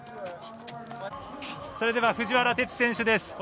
それでは藤原哲選手です。